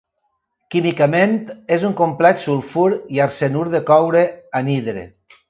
Químicament és un complex sulfur i arsenur de coure, anhidre.